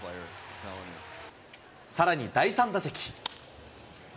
さらに第３打席。